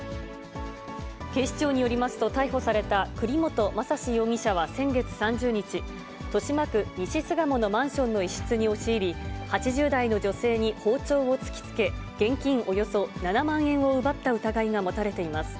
警視庁によりますと、逮捕された栗本昌史容疑者は先月３０日、豊島区西巣鴨のマンションの一室に押し入り、８０代の女性に包丁を突きつけ、現金およそ７万円を奪った疑いが持たれています。